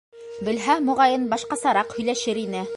Белһә, моғайын, башҡасараҡ һөйләшер ине.